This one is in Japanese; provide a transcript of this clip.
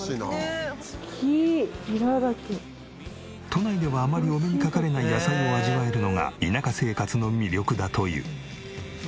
都内ではあまりお目にかかれない野菜を味わえるのが田舎生活の魅力だという。